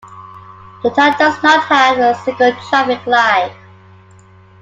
The town does not have a single traffic light.